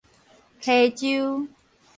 溪州